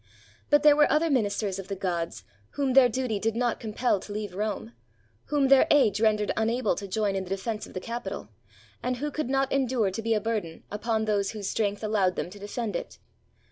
But there were other ministers of the gods, whom their duty did not compel to leave Rome, whom their age rendered unable to join in the defense of the Capitol, and who could not endure to be a bur den upon those whose strength allowed them to defend it.